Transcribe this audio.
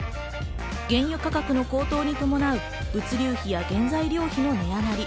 原油価格の高騰に伴う物流費や原材料費の値上がり。